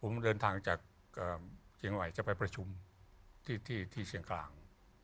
ผมเดินทางจากเชียงใหม่จะไปประชุมที่เชียงกลาง